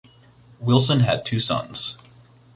Wilson had two sons.